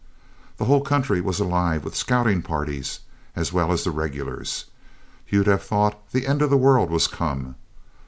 The whole country was alive with scouting parties, as well as the regulars. You'd have thought the end of the world was come.